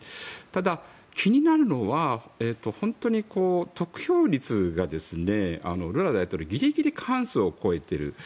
ただ、気になるのは本当に得票率がルラ元大統領はギリギリ過半数を超えている。